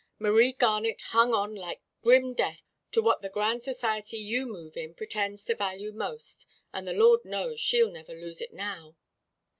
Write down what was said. Marie Garnett hung on like grim death to what the grand society you move in pretends to value most, and the Lord knows she'll never lose it now.